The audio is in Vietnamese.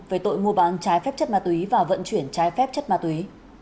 về tội mua bán trái phép chất ma túy và vận chuyển trái phép chất ma túy